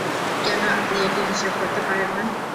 কেন আপনি এটি হিসাব করতে পারেন না?